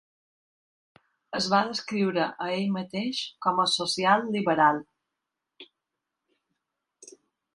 Es va descriure a ell mateix com a "social liberal".